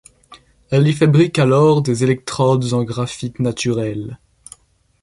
Elle y fabrique alors des électrodes en graphite naturel.